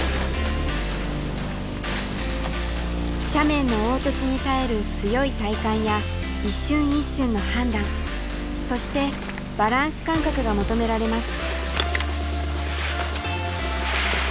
斜面の凹凸に耐える強い体幹や一瞬一瞬の判断そしてバランス感覚が求められます。